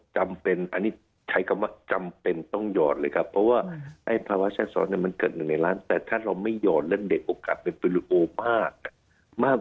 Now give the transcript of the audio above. จำเป็นอันนี้ใช้คำว่าจำเป็นต้องหยอดเลยครับเพราะว่าไอ้ภาวะแทรกซ้อนมันเกิด๑ในล้านแต่ถ้าเราไม่หอดแล้วเด็กโอกาสเป็นฟูลิโอมาก